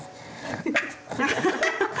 ハハハ！